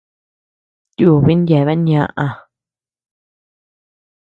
Tiubin yeabeanu ñaʼä.